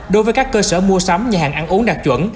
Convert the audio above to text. đối với các cơ sở mua sắm nhà hàng ăn uống đạt chuẩn